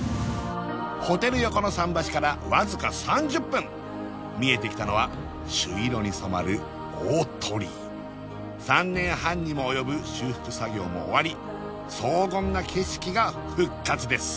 ホテル横の桟橋からわずか３０分見えてきたのは朱色にそまる大鳥居３年半にも及ぶ修復作業も終わり荘厳な景色が復活です